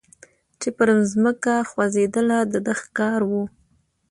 چي پر مځکه خوځېدله د ده ښکار وو